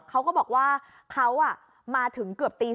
เขาก็บอกว่าเขามาถึงเกือบตี๓